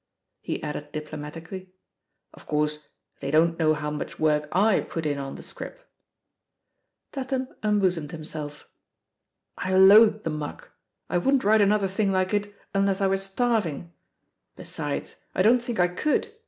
He added diplomatically, "Of course, they don't know how much work I put in on the scrip I" Tatham unbosomed himself. "I loathe the muck. I wouldn't write another thing like it unless I were starving. Besides, I don't think I could!